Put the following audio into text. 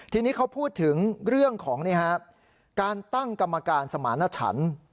ทีนี้เขาพูดถึงเรื่องของการตั้งกรรมการสมาณฉัน